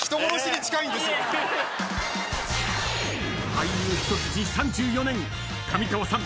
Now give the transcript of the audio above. ［俳優一筋３４年上川さん